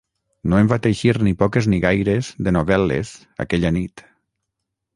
No en va teixir ni poques ni gaires, de novel·les, aquella nit!